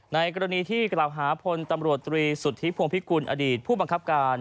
ในกรณีที่กล่าวหาพลตำรวจตรีสุทธิพวงพิกุลอดีตผู้บังคับการ